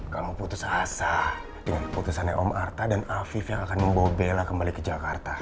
kamu putus asa dengan keputusannya om arta dan afif yang akan membawa bella kembali ke jakarta